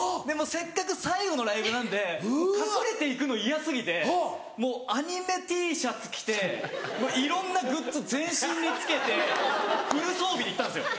せっかく最後のライブなんで隠れて行くの嫌過ぎてもうアニメＴシャツ着ていろんなグッズ全身に着けてフル装備で行ったんですよ。